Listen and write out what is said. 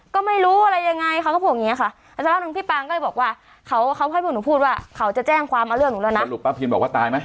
ก็ไม่รู้อะไรยังไงเขาก็บอกอย่างเงี้ยค่ะแล้วพี่ปังก็บอกว่าเขาเขาให้บอกหนูพูดว่าเขาจะแจ้งความอ้าเรื่องหนูแล้วนะ